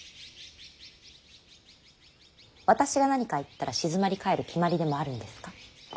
私が何か言ったら静まり返る決まりでもあるんですか。